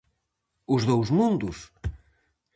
Os dous mundos?